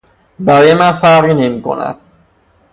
برای من فرقی نمیکند.